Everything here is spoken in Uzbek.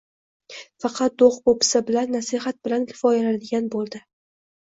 faqat do'q-po'pisa bilan, nasihat bilan kifoyalanadigan bo'ldi: